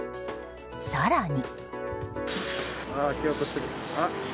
更に。